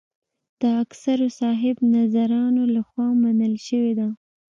د اکثرو صاحب نظرانو له خوا منل شوې ده.